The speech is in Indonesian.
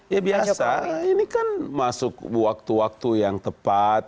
ya biasa ini kan masuk waktu waktu yang tepat